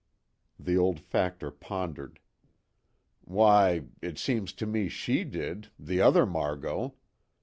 The old factor pondered: "Why it seems to me she did the other Margot.